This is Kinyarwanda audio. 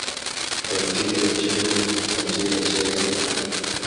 politiki y igihugu mu byerekeye